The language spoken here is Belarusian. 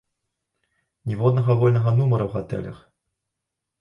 Ніводнага вольнага нумара ў гатэлях!